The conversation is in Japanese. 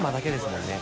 もんね